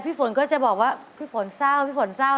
ฝนก็จะบอกว่าพี่ฝนเศร้าพี่ฝนเศร้า